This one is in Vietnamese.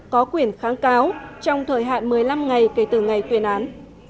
có quyền kháng cáo trong thời hạn một mươi năm ngày kể từ ngày tuyên án